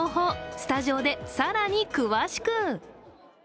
スタジオで更に詳しく！